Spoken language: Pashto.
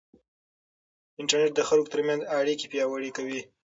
انټرنيټ د خلکو ترمنځ اړیکې پیاوړې کوي.